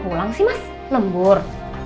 pulang sih mas lembur